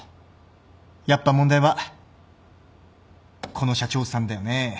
やっぱ問題はこの社長さんだよね。